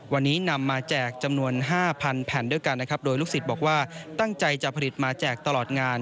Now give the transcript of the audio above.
วันนี้นำมาแจกจำนวน๕๐๐แผ่นด้วยกันนะครับโดยลูกศิษย์บอกว่าตั้งใจจะผลิตมาแจกตลอดงาน